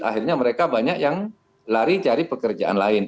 akhirnya mereka banyak yang lari cari pekerjaan lain